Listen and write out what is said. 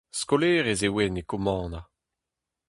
Skolaerez e oan e Kommanna.